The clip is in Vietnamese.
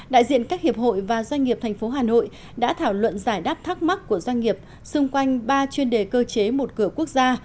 đại diện các hiệp hội và doanh nghiệp thành phố hà nội đã thảo luận giải đáp thắc mắc của doanh nghiệp xung quanh ba chuyên đề cơ chế một cửa quốc gia